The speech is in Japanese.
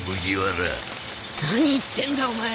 何言ってんだお前。